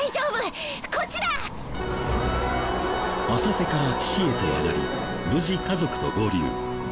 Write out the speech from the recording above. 浅瀬から岸へと上がり無事家族と合流。